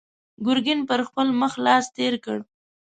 ګرګين پر خپل مخ لاس تېر کړ.